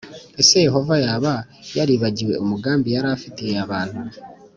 Ese Yehova yaba yaribagiwe umugambi yari afitiye abantu?